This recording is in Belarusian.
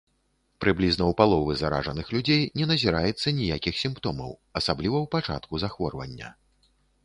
Прыблізна ў паловы заражаных людзей не назіраецца ніякіх сімптомаў, асабліва ў пачатку захворвання.